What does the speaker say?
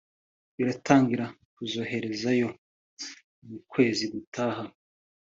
baratangira kuzoherezayo mu kwezi gutaha